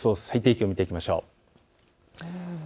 最低気温を見ていきましょう。